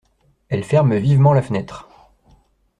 Elle ferme vivement la fenêtre.